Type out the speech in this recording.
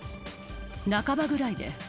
半ばぐらいで。